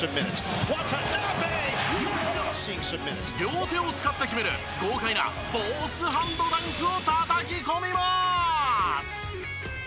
両手を使って決める豪快なボースハンドダンクをたたき込みます！